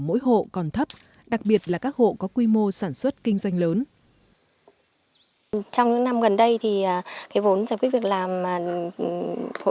mỗi hộ còn thấp đặc biệt là các hộ có quy mô sản xuất kinh doanh lớn trong những năm gần đây thì